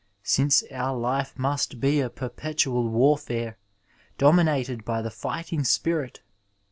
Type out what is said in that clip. '' since our life must be a perpetual warfare, domi nated by the fighting spirit.